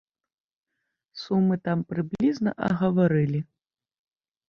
Сумы там прыблізна агаварылі.